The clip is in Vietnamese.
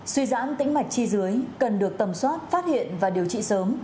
suy giãn tĩnh mạch chi dưới cần được tầm soát phát hiện và điều trị sớm